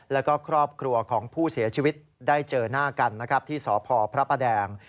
แล้วก็ครอบครัวของผู้เสียชีวิตได้เจอหน้ากันนะครับที่สพพระประแดง